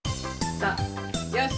さあよし！